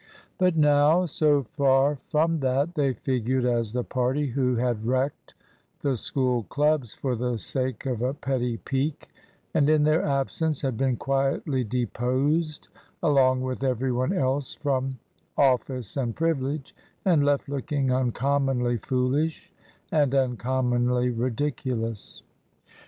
But now, so far from that, they figured as the party who had wrecked the School clubs for the sake of a petty pique, and in their absence had been quietly deposed along with every one else from office and privilege, and left looking uncommonly foolish and uncommonly ridiculous.